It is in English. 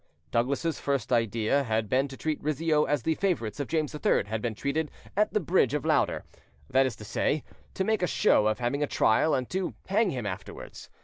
Douglas's first idea had been to treat Rizzio as the favourites of James III had been treated at the Bridge of Lauder—that is to say, to make a show of having a trial and to hang him afterwards.